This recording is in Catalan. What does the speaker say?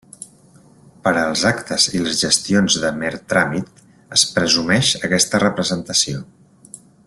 Per als actes i les gestions de mer tràmit es presumeix aquesta representació.